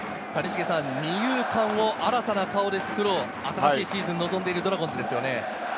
二遊間を新たな顔で作ろう、新しいシーズンに臨んでいるドラゴンズですね。